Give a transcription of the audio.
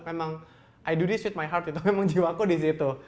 memang i do this with my heart gitu memang jiwaku di situ